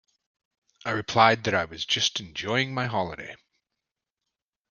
I replied that I was just enjoying my holiday.